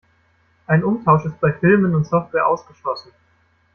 Ein Umtausch ist bei Filmen und Software ausgeschlossen.